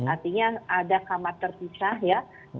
artinya ada kamar terpisah ya